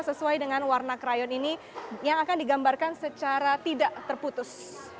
sesuai dengan warna krayon ini yang akan digambarkan secara tidak terputus